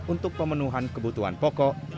untuk pemenuhan kebutuhan pokok